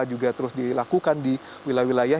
juga terus dilakukan di wilayah wilayah